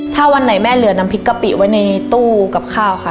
ถ้าวันไหนแม่เหลือน้ำพริกกะปิไว้ในตู้กับข้าวค่ะ